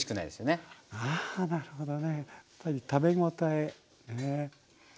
あなるほどね。やっぱり食べ応え。